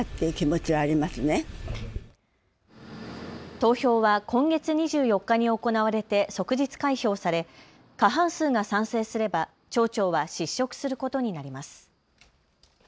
投票は今月２４日に行われて即日開票され過半数が賛成すれば町長は失職することになります。